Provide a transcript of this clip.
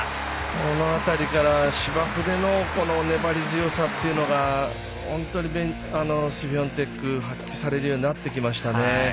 この辺りから芝生での粘り強さというのが本当にシフィオンテク発揮されるようになってきました。